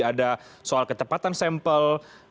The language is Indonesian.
ada soal ketepatan sampel